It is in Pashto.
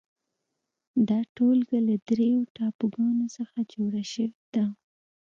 دا ټولګه له درېو ټاپوګانو څخه جوړه شوې ده.